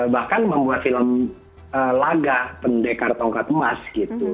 bahkan membuat film laga pendekar tongkat emas gitu